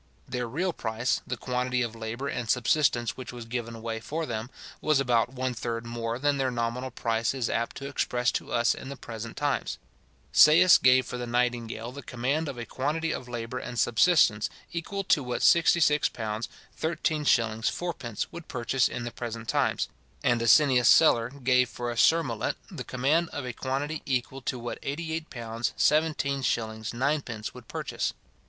Their real price, the quantity of labour and subsistence which was given away for them, was about one third more than their nominal price is apt to express to us in the present times. Seius gave for the nightingale the command of a quantity of labour and subsistence, equal to what £ 66:13: 4d. would purchase in the present times; and Asinius Celer gave for a surmullet the command of a quantity equal to what £ 88:17: 9d. would purchase.